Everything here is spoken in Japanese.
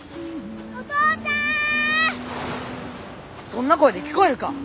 そんな声で聞こえるか！